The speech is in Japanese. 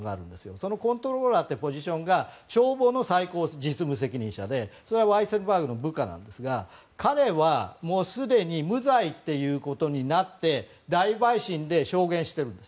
そのコントローラーというポジションが帳簿の最高実務責任者でワイセルバーグの部下なんですが彼はすでに無罪ということになって大陪審で証言しているんです。